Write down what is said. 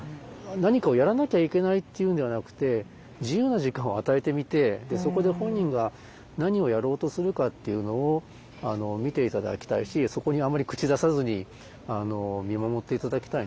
何かをやらなきゃいけないっていうんではなくて自由な時間を与えてみてそこで本人が何をやろうとするかっていうのを見て頂きたいしそこにあんまり口出さずに見守って頂きたいんですよね。